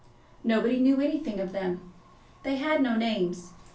Nobody knew anything of them. They had no names.